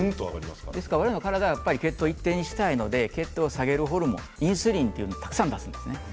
我々の体は血糖を一定にしたいので血糖を下げるホルモンインスリンをたくさん出してしまうんです。